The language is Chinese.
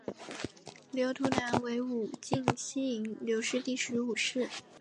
刘图南为武进西营刘氏第十五世。